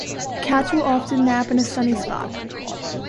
Cats will often nap in a sunny spot.